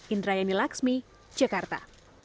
indra yani laksmi jakarta